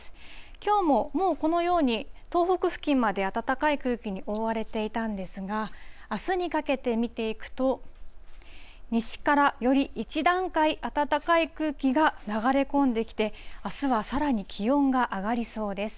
きょうももうこのように、東北付近まで暖かい空気に覆われていたんですが、あすにかけて見ていくと、西からより一段階暖かい空気が流れ込んできて、あすはさらに気温が上がりそうです。